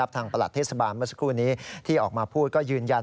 ประหลัดเทศบาลเมื่อสักครู่นี้ที่ออกมาพูดก็ยืนยัน